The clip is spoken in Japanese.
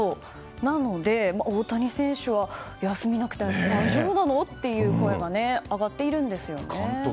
なので、大谷選手は休みなくて大丈夫なのという声が上がっているんですよね。